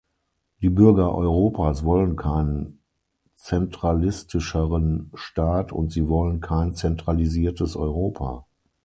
Die Bürger Europas wollen keinen zentralistischeren Staat und sie wollen kein zentralisiertes Europa.